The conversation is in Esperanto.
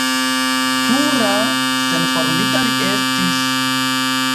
Pura, senformita li estis!